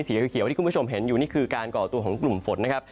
เขียวที่คุณผู้ชมเห็นอยู่นี่คือการก่อตัวของกลุ่มฝนนะครับ